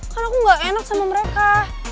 karena aku gak enak sama mereka